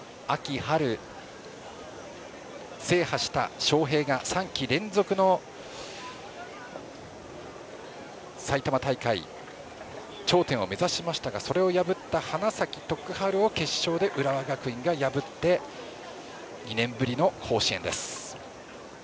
秋、春制覇した昌平が３季連続の埼玉大会頂点を目指しましたがそれを破った花咲徳栄を決勝で浦和学院が破って２年ぶりの甲子園です。